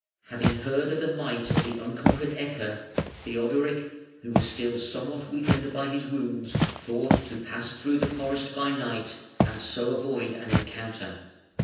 Having heard of the might of the unconquered Ecke, Theodoric, who was still somewhat weakened by his wounds, thought to pass through the forest by night and so avoid an encounter.